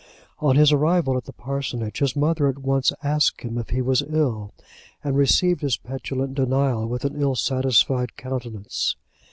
On his arrival at the parsonage, his mother at once asked him if he was ill, and received his petulant denial with an ill satisfied countenance.